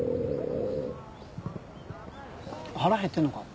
腹へってんのか？